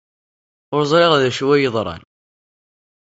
Ur ẓriɣ d acu ay yeḍran.